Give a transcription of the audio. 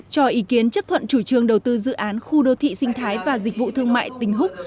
cho ý kiến chấp thuận chủ trương đầu tư dự án khu đô thị sinh thái và dịch vụ thương mại tỉnh húc